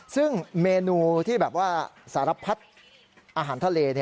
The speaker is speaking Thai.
ซึ่งเมนูที่แบบว่าสารพัดอาหารทะเล